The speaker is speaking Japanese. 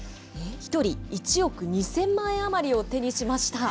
１人１億２０００万円余りを手にしました。